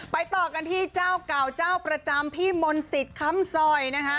ต่อกันที่เจ้าเก่าเจ้าประจำพี่มนต์สิทธิ์คำซอยนะคะ